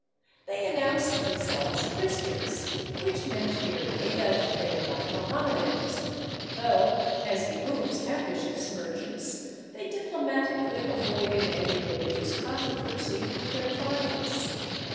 They announced themselves " Chris^ tians," which meant merely that they were not Mohammedans ; thougl as behooves ambitious merchants, they diplomatically avoided any n ligious controversy with their clients.